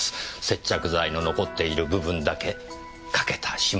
接着剤の残っている部分だけ欠けた指紋が。